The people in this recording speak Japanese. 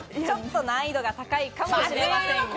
ちょっと難易度が高いかもしれません。